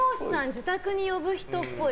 自宅に呼ぶ人っぽい。